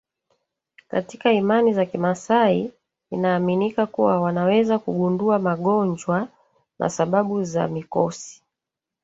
katika imani za kimaasai inaaminika kuwa wanaweza kugundua magonjwa na sababu za mikosi